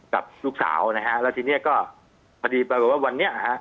กับลูกสาวนะฮะแล้วทีนี้ก็พอดีปรากฏว่าวันนี้ฮะ